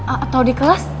atau di kelas